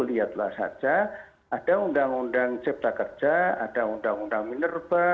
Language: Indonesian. lihatlah saja ada undang undang cipta kerja ada undang undang minerba